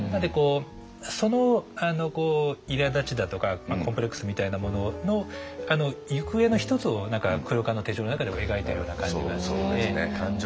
そのいらだちだとかコンプレックスみたいなものの行方の一つを「黒革の手帖」の中でも描いているような感じがしてて。